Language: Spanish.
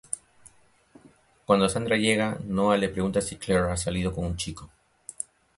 Cuando Sandra llega, Noah le pregunta si Claire ha salido con un chico.